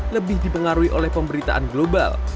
lebih dipengaruhi oleh pemberitaan global